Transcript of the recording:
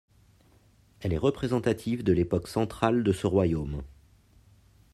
Elle est représentative de l'époque centrale de ce royaume.